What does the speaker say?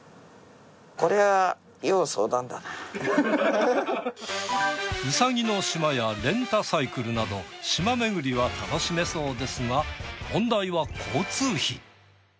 これはウサギの島やレンタサイクルなど島めぐりは楽しめそうですが問題は交通費。